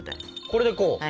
これでこう？